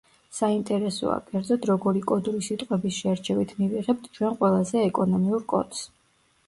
საინტერესოა კერძოდ როგორი კოდური სიტყვების შერჩევით მივიღებთ ჩვენ ყველაზე ეკონომიურ კოდს.